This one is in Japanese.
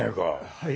はい。